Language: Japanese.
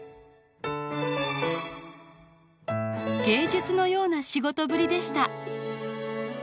芸術のような仕事ぶりでした。